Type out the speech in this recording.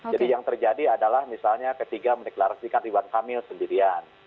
jadi yang terjadi adalah misalnya ketiga mendeklarasikan ridwan kamil sendirian